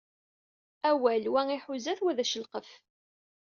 Awal, wa iḥuza-t, wa d acelqef.